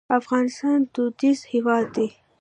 افغانستان دودیز هېواد دی.